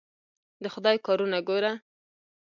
د خدای کارونه ګوره!